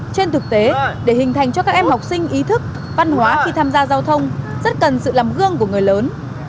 trên thực tế để hình thành cho các em học sinh ý thức văn hóa khi tham gia giao thông rất cần sự làm gương của người lớn